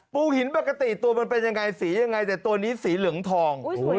หินปกติตัวมันเป็นยังไงสียังไงแต่ตัวนี้สีเหลืองทอง